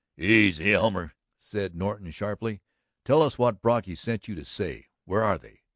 "Easy, Elmer," said Norton sharply. "Tell us what Brocky sent you to say. Where are they?"